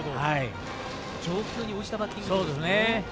状況に応じたバッティングということですね。